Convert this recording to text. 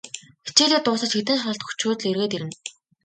Хичээлээ дуусаж, хэдэн шалгалт өгчхөөд л эргээд ирнэ.